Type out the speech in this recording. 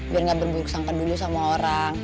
biar nggak berburuk sangka dulu sama orang